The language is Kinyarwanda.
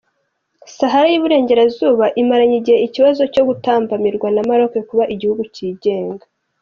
Sahara y’Iburengerazuba imaranye igihe ikibazo cyo gutambamirwa na Maroc kuba igihugu kigenga.